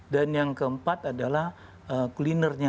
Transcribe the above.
yang keempat adalah kulinernya